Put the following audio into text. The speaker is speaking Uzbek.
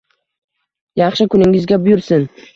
Yaxshi kuningizga buyursin!